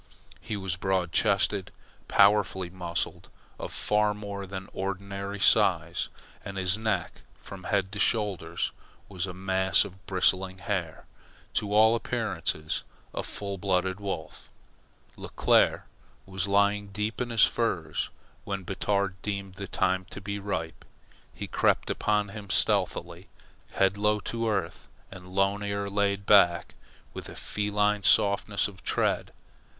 He was broad chested, powerfully muscled, of far more than ordinary size, and his neck from head to shoulders was a mass of bristling hair to all appearances a full blooded wolf. Leclere was lying asleep in his furs when Batard deemed the time to be ripe. He crept upon him stealthily, head low to earth and lone ear laid back, with a feline softness of tread.